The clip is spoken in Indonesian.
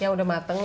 ya udah mateng lu